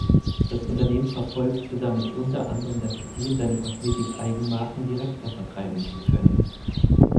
Das Unternehmen verfolgte damit unter anderem das Ziel, seine Kosmetik-Eigenmarken direkter vertreiben zu können.